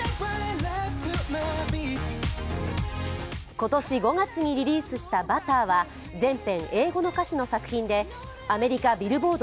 今年５月にリリースした「Ｂｕｔｔｅｒ」は全編英語の歌詞の作品でアメリカＢｉｌｌｂｏａｒｄ